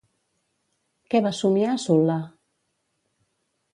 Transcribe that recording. Què va somiar Sul·la?